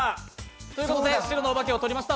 ということで白のお化けを取りました